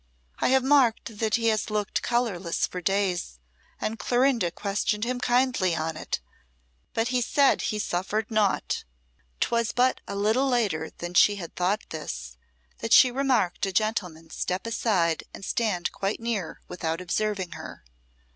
I have marked that he has looked colourless for days, and Clorinda questioned him kindly on it, but he said he suffered naught." 'Twas but a little later than she had thought this, that she remarked a gentleman step aside and stand quite near without observing her.